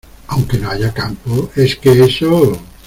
aunque no haya campo? es que eso